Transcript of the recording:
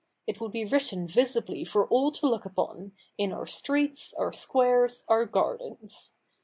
It would be written visibly for all to look upon, in our streets, our squares, our gardens.